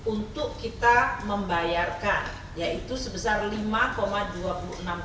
untuk kita membayarkan yaitu sebesar lima dua puluh enam triliun yang kemudian kita putuskan untuk membayar dalam dua tahap